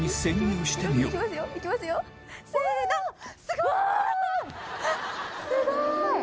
すごい！